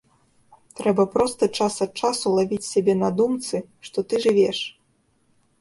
Трэба проста час ад часу лавіць сябе на думцы, што ты жывеш.